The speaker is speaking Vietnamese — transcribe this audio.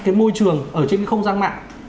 cái môi trường ở trên cái không gian mạng